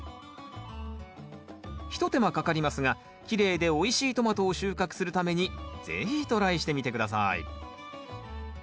一手間かかりますがきれいでおいしいトマトを収穫するために是非トライしてみて下さい。